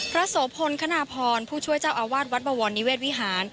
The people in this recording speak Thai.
โสพลคณพรผู้ช่วยเจ้าอาวาสวัดบวรนิเวศวิหาร